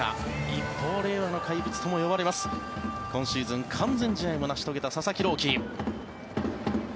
一方、令和の怪物とも呼ばれます今シーズン完全試合も成し遂げた佐々木朗希。